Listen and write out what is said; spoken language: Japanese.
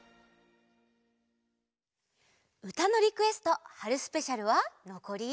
「うたのリクエスト春スペシャル」はのこり。